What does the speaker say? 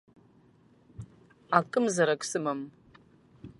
Акымзарак сымам.